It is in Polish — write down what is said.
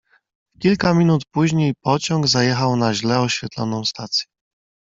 "W kilka minut później pociąg zajechał na źle oświetloną stację."